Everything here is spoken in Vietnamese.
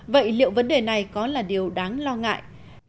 vậy liệu vấn đề này có là điều đáng lo ngại